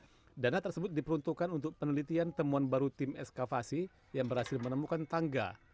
pemerintah kabupaten temanggung telah menganggarkan dana untuk penelitian temuan baru tim ekskavasi yang berhasil menemukan tangga